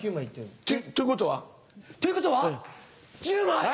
ということは。ということは１０枚！